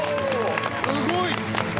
すごい。